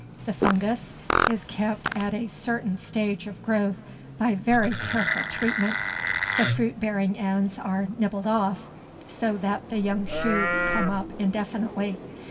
The fungus is kept at a certain stage of growth by very careful treatment; the fruit bearing ends are nibbled off, so that the young shoots come up indefinitely.